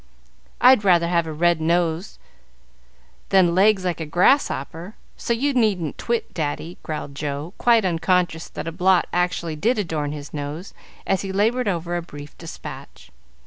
"I'd rather have a red nose than legs like a grasshopper; so you needn't twit, Daddy," growled Joe, quite unconscious that a blot actually did adorn his nose, as he labored over a brief despatch.